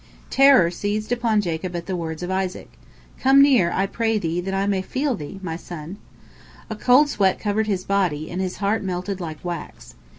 Terror seized upon Jacob at the words of Isaac, "Come near, I pray thee, that I may feel thee, my son." A cold sweat covered his body, and his heart melted like wax.